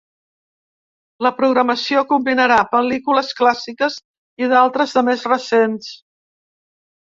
La programació combinarà pel·lícules clàssiques i d’altres de més recents.